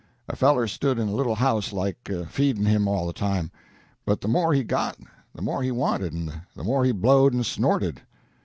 A feller stood in a little house like, feedin' him all the time; but the more he got, the more he wanted and the more he blowed and snorted.